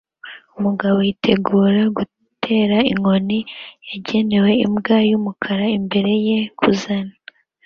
Umugabo yitegura gutera inkoni yagenewe imbwa yumukara imbere ye kuzana